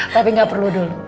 tapi nggak perlu dulu